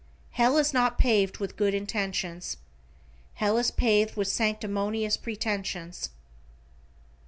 Hell is not paved with good intentions. Hell is paved with sanctimonious pretensions.